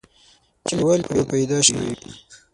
چې ولې به پيدا شوی وې؟